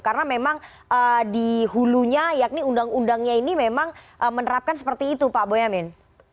karena memang di hulunya yakni undang undangnya ini memang menerapkan seperti itu pak boyamin